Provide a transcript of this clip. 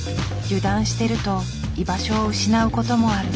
油断してると居場所を失う事もある。